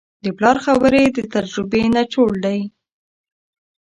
د پلار خبرې د تجربې نچوړ دی.